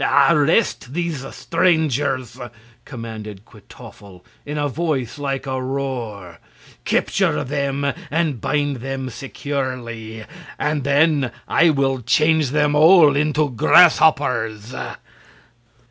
"Arrest these strangers!" commanded Kwytoffle, in a voice like a roar. "Capture them and bind them securely, and then I will change them all into grasshoppers!"